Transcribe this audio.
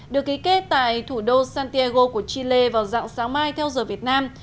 được ký kết tại thủ đô santiago của chile vào dạng sáng mai theo giờ việt nam